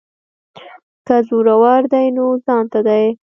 که زورور دی نو ځانته دی.